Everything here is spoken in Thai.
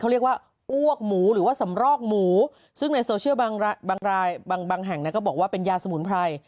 เขาเรียกว่าอวกหมูหรือว่าสำรอกหมูซึ่งของในโซเชียลบางหังบอกว่ามีวภาพเป็นยาสมุนไพร